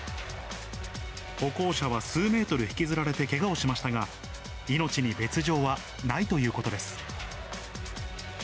歩行者は数メートル引きずられてけがをしましたが、命に別状はな